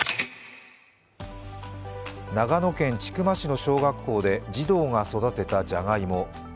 長野県千曲市の小学校で児童が育てたじゃがいも。